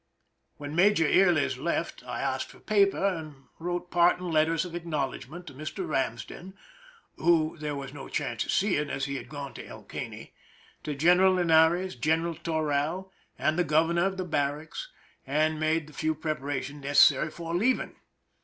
When Major Yrles left, I asked for paper, and wrote parting letters of acknowledgment to Mr. Ramsden (whom there was no chance of seeing, as he had gone to El Caney), to General Linares, Gren eral Toral, and the governor of the barracks, and made the few preparations necessary for leaving.